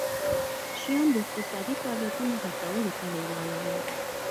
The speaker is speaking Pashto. شیام د اقتصادي فعالیتونو هڅولو ته لېواله وو.